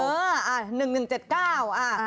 เอออ่าหนึ่งหนึ่งเจ็ดเก้า